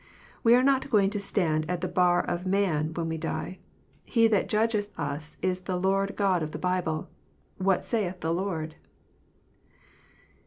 We are not going to stand at the bar of man when we die. He that judgeth us is the Lord God of the Bible. What saith the Lord?